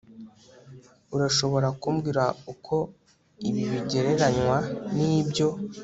Urashobora kumbwira uko ibi bigereranywa nibyo